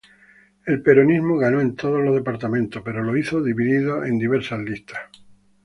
El peronismo ganó en todos los departamentos, pero lo hizo dividido en diversas listas.